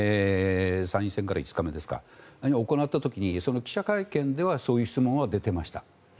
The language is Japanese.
参院選から５日目ですか行った時にその記者会見ではそういう質問は出ていました。